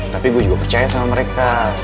tapi gue juga percaya sama mereka